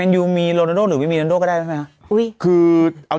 ทีนุ่มบอกว่า